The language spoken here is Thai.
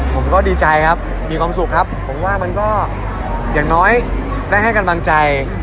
ผมก็ดีใจครับมีความสุขครับผมว่ามันก็อย่างน้อยได้ให้กำลังใจ